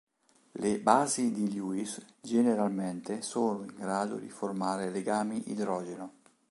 Le "basi di Lewis" generalmente sono in grado di formare legami idrogeno.